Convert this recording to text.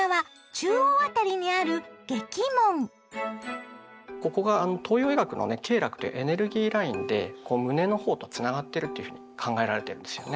中央辺りにあるここが東洋医学のね経絡というエネルギーラインでこう胸の方とつながってるというふうに考えられてるんですよね。